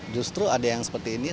justru ada yang seperti ini